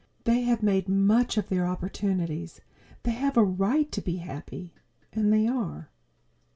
They have made much of their opportunities. They have a right to be happy. And they are.